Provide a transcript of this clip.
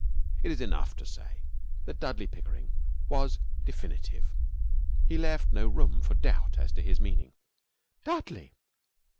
It is enough to say that Dudley Pickering was definite. He left no room for doubt as to his meaning. 'Dudley!'